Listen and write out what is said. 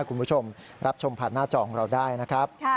คุณผู้ชมรับชมผ่านหน้าจอของเราได้นะครับ